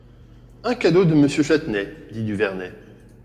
Un cadeau de Monsieur Châtenay, dit Duvernet.